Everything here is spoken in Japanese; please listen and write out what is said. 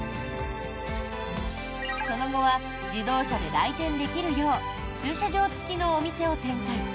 その後は自動車で来店できるよう駐車場付きのお店を展開。